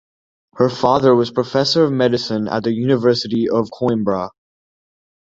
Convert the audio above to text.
Her father was professor of medicine at the University of Coimbra.